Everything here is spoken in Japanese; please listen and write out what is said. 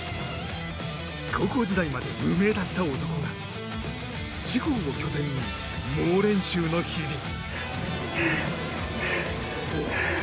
高校時代まで無名だった男が自校を拠点に猛練習の日々。